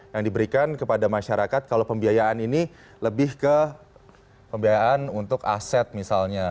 yang diberikan kepada masyarakat kalau pembiayaan ini lebih ke pembiayaan untuk aset misalnya